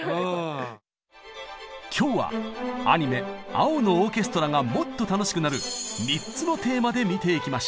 今日はアニメ「青のオーケストラ」がもっと楽しくなる３つのテーマで見ていきましょう！